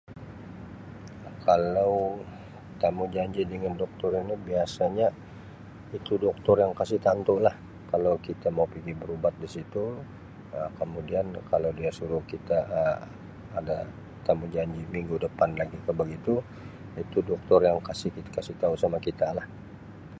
Kalau temujanji dengan Doktor ini biasanya itu Doktor yang kasi tantu lah kalau kita mau pigi berubat di situ Um kemudian kalau dia suruh kita Um ada temujanji minggu depan lagi kah begitu itu Doktor yang kasi-kasi tau sama kita lah.